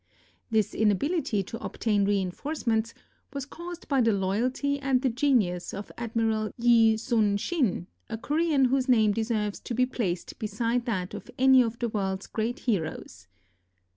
This inability to obtain re inforcements was caused by the loyalty and the genius of Admiral Yi Sun sin, a Korean whose name deserves to be placed beside that of any of the world's great heroes.